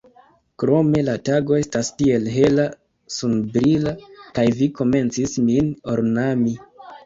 Krome, la tago estas tiel hela, sunbrila, kaj vi komencis min ornami.